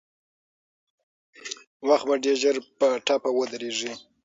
وخت به ډېر ژر په ټپه ودرېږي.